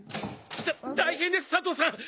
た大変です佐藤さん！